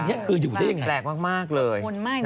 อันนี้คืออยู่ได้ยังไง